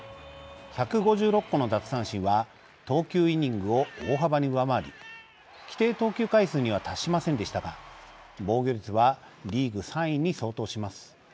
１５６個の奪三振は投球イニングを大幅に上回り規定投球回数には達しませんでしたが防御率はリーグ３位に相当します。